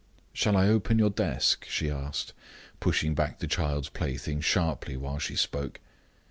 "Shall I open your desk?" she asked, pushing back the child's plaything sharply while she spoke.